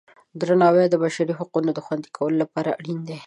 درناوی د بشري حقونو د خوندي کولو لپاره اړین دی.